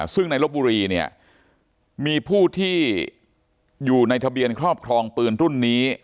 ซึ่งในลบบุรีเนี่ยมีผู้ที่อยู่ในทะเบียนครอบครองปืนรุ่นนี้